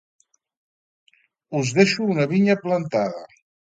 Us deixo una vinya plantada;